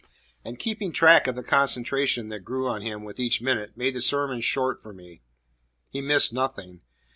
And keeping track of the concentration that grew on him with each minute made the sermon short for me. He missed nothing.